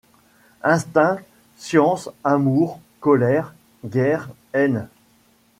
Instinct, science, amour, colère, guerres, haines